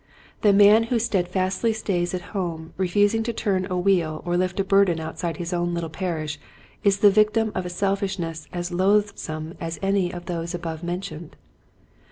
The man who steadfastly stays at home refusing to turn a wheel or lift a burden outside his own little parish is the victim of a selfishness as loathsome as any of those above men tioned.